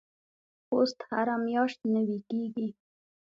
پوست هره میاشت نوي کیږي.